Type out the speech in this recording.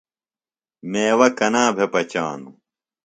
میوہ کنا بھےۡ پچانوۡ؟